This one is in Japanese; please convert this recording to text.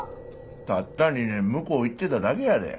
たった２年向こう行ってただけやで。